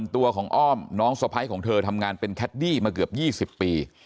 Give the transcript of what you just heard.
ตัวของอ้อมน้องสะพ้ายของเธอทำงานเป็นแคดดี้มาเกือบ๒๐ปี